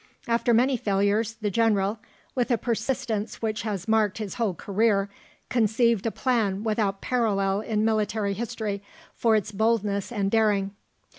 After many failures, the General, "with a persistence which has marked his whole career, conceived a plan without parallel in military history for its boldness and daring."